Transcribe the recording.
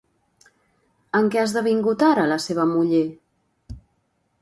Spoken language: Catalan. En què ha esdevingut ara la seva muller?